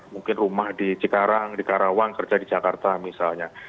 mungkin rumah di cikarang di karawang kerja di jakarta misalnya